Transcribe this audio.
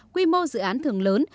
quy mô dự án thường lớn